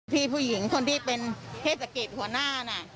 ผู้หญิงคนที่เป็นเทศกิจหัวหน้าน่ะ